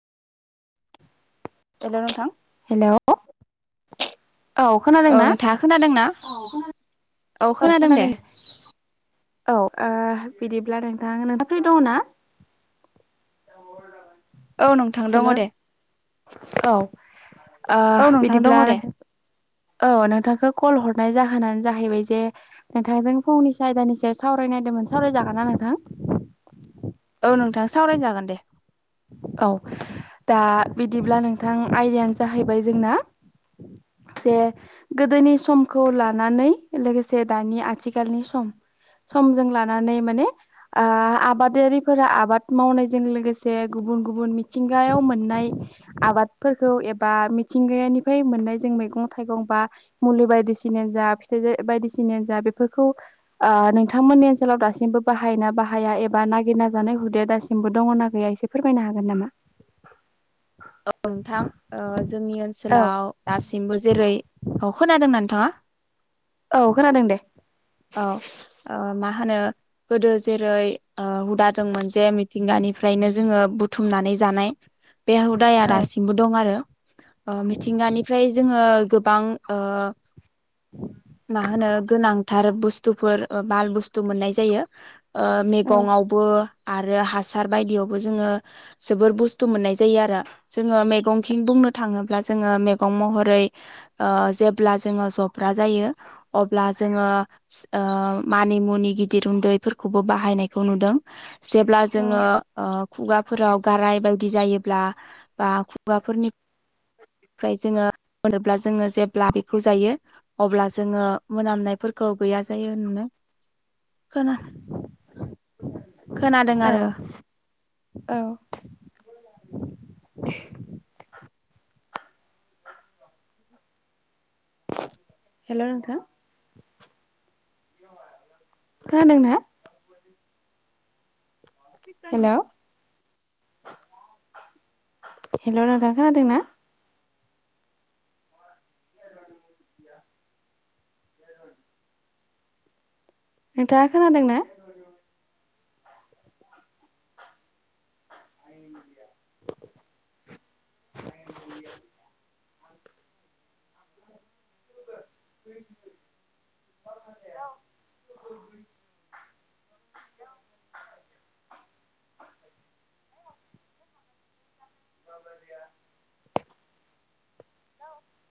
Hello नोंथां। Hello [inaudible] औ ना नोंथाङा खोनादों ना? औ खोनादों औ खोनादों दे। औ ओ बिदिब्ला नोंथां नोंथां फ्रि दङ ना? औ नोंथां दङ हेलौ दे। औ ओ औ नोंथां दङ बिदिब्ला दे नों औ नोंथांखौ कल हरनाय जाहोनानो जाहैबाय जा जे नोंथांजों फंनैसो आयदानि सायाव सावरायनायदोंमोन सावरायजागोन ना नोंथां? औ नोंथां सावराय जागोन दे। औ दा बिदिब्ला नोंथां आयदायानो जाहैबाय जोंना [inaudible] जे गोदोनि समखौ लानानै लोगोसे दानि आथिखालनि सम समजों लानानै माने ओ आबादारिफोरा आबाद मावनायजों लोगोसे जे गुबुन गुबुन मिथिंगायाव मोननाय आबादफोरखौ एबा मिथिंगानिफ्राय मोन मोन्नाय मैगं थाइगं बा मुलि बायदिसिनायानो जा फिथाइ बायदिसिना मानो जा जों बेफोरखौ ओ नोंथांमोननि ओनसोलाव दासिमबो बाहायना बाहाया एबा नागिरना जानाय हुदाया दासिमबो दङना गैया? एसे फोरमायनो हागोन नामा? औ नोंथां ओ जोंनि औ ओनसोलाव दासिमबो जेरै खोनादोंना नोंथाङा? औ खोनादों दे औ औ माहोनो गोदो जेरै ओ हुदा दंमोन जे मिथिंगानिफ्रायनो जोङो बुथुमनानै जानाय बे हुदाया औ दासिमबो दं आरो। मिथिंगानिफ्राय जोङो गोबां ओ मा होनो गोनांथार बुस्थुफोर बाल बुस्थु मोननाय जायो। ओ औ मैगंवावबो आरो हासार बायदियावबो जोङो जोबोर बुस्थु मोननाय जायो आरो। जोङो मेगंथिं बुंनो थाङोब्ला जोङो मेगं महरै जेब्ला जोङो ज जब्रा जायो अब्ला जोंङो ओ मानि मुनि गिदिर उन्दैफोरखौबो बाहायो। नुदों जेब्ला जोङो ओ खुगाफोराव गाराय बायदि जायोब्ला बा खुगाफोरनिफ्राय जोङो मोनोब्ला जोङो जेब्ला बेखौ जायो अब्ला जोङो मोनामनायफोरखौ गैया जायो होननानै [inaudible] खोना [inaudible] खोनादों औ आरो। औ हेल' नोंथां। खोनादों ना? हेल' हेल' नोंथां खोनादों ना? नोंथाङा खोनादों ना? [inaudible] [unintelligible] [inaudible]